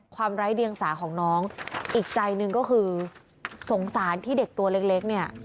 ไร้เดียงสาของน้องอีกใจหนึ่งก็คือสงสารที่เด็กตัวเล็กเนี่ย